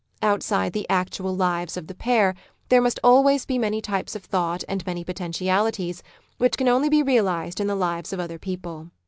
Outside the actual lives of the pair there must always be many types of thought and many potentialities which can only be realised in the lives of other people.